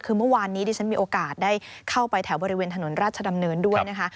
คือเมื่อวานนี้ดิฉันมีโอกาสได้เข้าไปแถวบริเวณถนนราชดำเนินด้วยนะคะ